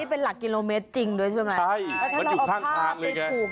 เพราะว่าตรงนี้มันอยู่ริมถนน